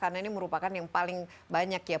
karena ini merupakan yang paling banyak ya